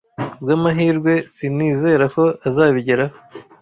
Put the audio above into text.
Kubwamahirwe, sinizera ko azabigeraho.